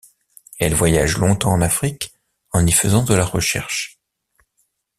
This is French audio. Elle voyage longtemps en Afrique, en y faisant de la recherche.